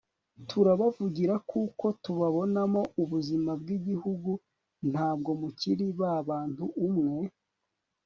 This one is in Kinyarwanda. turabavugira kuko tubabonamo ubuzima bw'igihugu, ntabwo mukiri babantu umwe